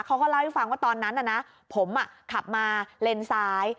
เขาก็เล่าให้ฟังว่าตอนนั้นน่ะนะผมขับมาเลนซ้าย